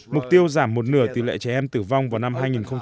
mục tiêu giảm một nửa tỷ lệ trẻ em tử vong vào năm hai nghìn một mươi tám